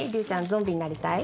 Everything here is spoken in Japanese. ゾンビになりたい？